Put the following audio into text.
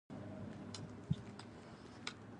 په سړو سیمو کې مقاوم قیر کارول کیږي